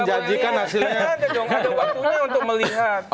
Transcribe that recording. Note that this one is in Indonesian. ada waktunya untuk melihat